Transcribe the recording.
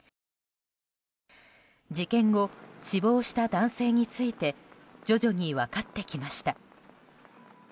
事件後、死亡した男性について徐々に分かってきました。